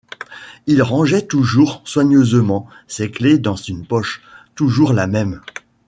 Il rangeait toujours soigneusement ses clefs dans une poche, toujours la même.